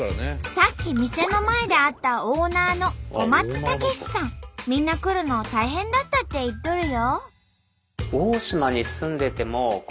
さっき店の前で会ったみんな来るの大変だったって言っとるよ！